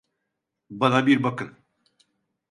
Bana bir bakın.